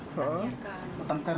oh bertengkar ya